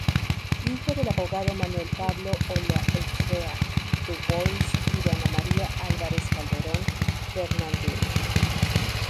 Hijo del abogado Manuel Pablo Olaechea Du Bois y de Ana María Álvarez-Calderón Fernandini.